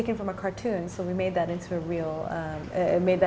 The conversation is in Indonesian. diambil dari kartun jadi kita membuatnya